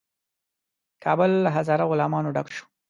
کابل له هزاره غلامانو ډک شو.